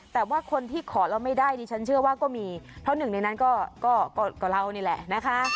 แต่ว่าคนที่ขอเราไม่ได้ดิฉันเชื่อว่าก็มีเพราะหนึ่งในนั้นก็เรานี่แหละนะคะ